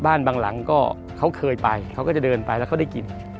บางหลังก็เขาเคยไปเขาก็จะเดินไปแล้วเขาได้กิน